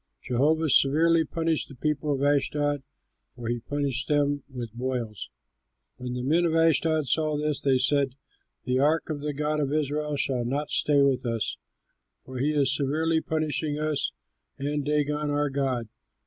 Jehovah severely punished the people of Ashdod, for he punished them with boils. When the men of Ashdod saw this, they said, "The ark of the god of Israel shall not stay with us, for he is severely punishing us and Dagon our god."